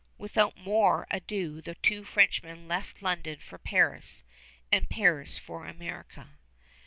Without more ado the two Frenchmen left London for Paris, and Paris for America.